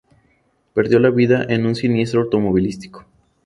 Perdió la vida en un siniestro automovilístico.